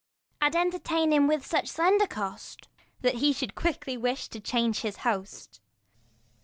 I'd entertain him with such slender cost, That he should quickly wish to change his host.